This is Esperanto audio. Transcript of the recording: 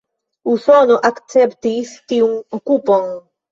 Usono akceptis tiun okupon.